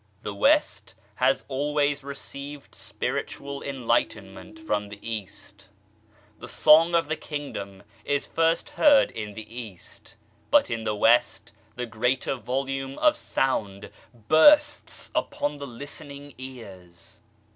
The West has always received Spiritual enlightenment from the East. The Song of the Kingdom is first heard in the East, but in the West the greater volume of sound bursts upon the listening ears.